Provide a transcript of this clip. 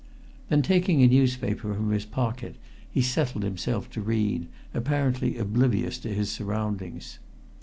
Then, taking a newspaper from his pocket, he settled himself to read, apparently oblivious to his surroundings.